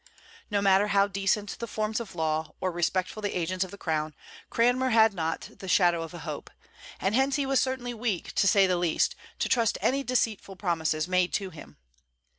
No matter how decent the forms of law or respectful the agents of the crown, Cranmer had not the shadow of a hope; and hence he was certainly weak, to say the least, to trust to any deceitful promises made to him.